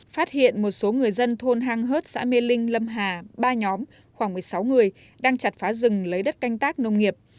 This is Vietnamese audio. phát hiện một số người dân thôn hang hớt xã mê linh lâm hà ba nhóm khoảng một mươi sáu người đang chặt phá rừng lấy đất canh tác nông nghiệp